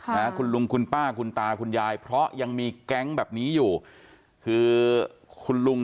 นะคุณลุงคุณป้าคุณตาคุณยายเพราะยังมีแก๊งแบบนี้อยู่คือคุณลุง